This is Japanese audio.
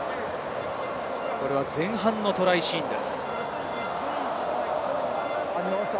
前半のトライシーンです。